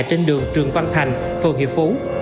trên đường trường văn thành phường hiệp phú